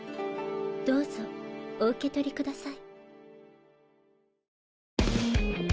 どうぞお受け取りください。